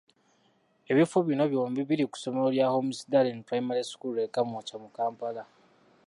Ebifo bino byombi biri ku ssomero lya Homisdallen Primary School e Kamwokya mu Kampala.